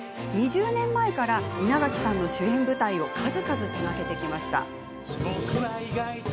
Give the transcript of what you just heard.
２０年前から稲垣さんの主演舞台を数々手がけてきました。